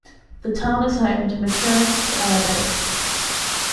The town is home to Michurinsk air base.